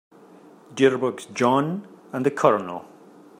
Jitterbugs JOHN and the COLONEL.